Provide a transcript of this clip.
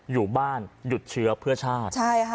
อยู่บ้านหยุดเชื้อเพื่อชาติ